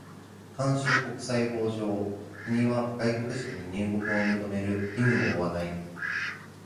慣習国際法上、国は外国人に入国を認める義務を負わない。